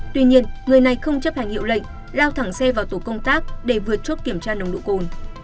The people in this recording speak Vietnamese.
tuy nhiên người này không chấp hành hiệu lệnh lao thẳng xe vào tổ công tác để vượt chốt kiểm tra nồng độ cồn